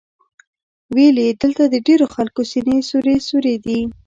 ویل یې دلته د ډېرو خلکو سینې سوري سوري دي.